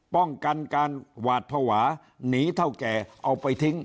ป้องกันการหวาดภาวะหนีเท่าแก่เอาไปทิ้ง